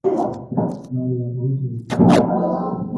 Habari yafo mshiki.